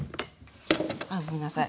あごめんなさい。